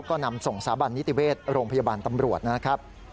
ก็นำส่งสาบันนิติเวชโรงพยาบาลตำรวจนะครับ